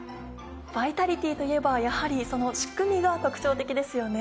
「Ｖｉｔａｌｉｔｙ」といえばやはりその仕組みが特徴的ですよね。